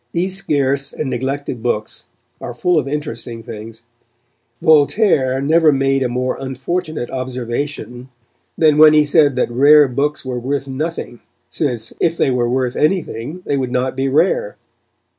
These scarce and neglected books are full of interesting things. Voltaire never made a more unfortunate observation than when he said that rare books were worth nothing, since, if they were worth anything, they would not be rare.